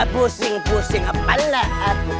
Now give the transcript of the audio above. pusing pusing kepala aku